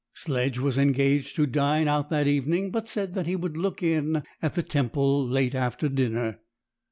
Sledge was engaged to dine out that evening, but said that he would look in at the Temple late after dinner.